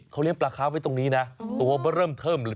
เขาเลี้ยงปลาคาบไว้ตรงนี้นะโอ้โหตัวมันเริ่มเทิม